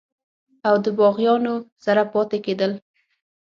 او دَباغيانو سره پاتې کيدل